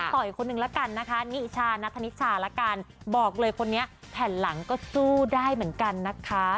ต่ออีกคนนึงละกันนะคะนิชานัทธนิชาละกันบอกเลยคนนี้แผ่นหลังก็สู้ได้เหมือนกันนะคะ